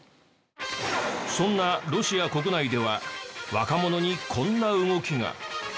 そんなロシア国内では若者にこんな動きが。